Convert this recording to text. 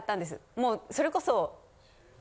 もうそれこそ。